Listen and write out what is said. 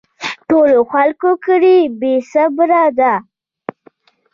ټولو خلکو کړی بې صبري ده